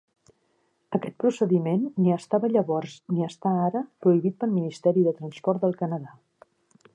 Aquest procediment ni estava llavors, ni està ara, prohibit pel Ministeri de Transport del Canadà.